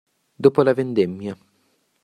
Dopo la vendemmia.